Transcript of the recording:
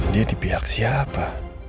dia di pihak siapa